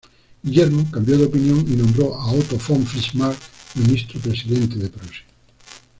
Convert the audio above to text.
Guillermo cambió de opinión y nombró a Otto von Bismarck ministro presidente de Prusia.